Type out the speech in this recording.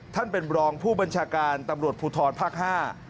ท่านเป็นรองผู้บัญชาการตำรวจภูทรภาคห้า